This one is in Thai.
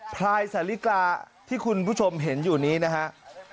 พลายสาลิกาที่คุณผู้ชมเห็นอยู่นี้นะฮะ